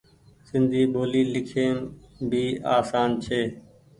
سندي ٻولي لکيم ڀي آسان ڇي۔